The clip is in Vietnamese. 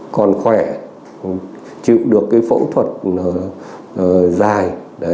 thường còn khỏe chịu được cái phẫu thuật dài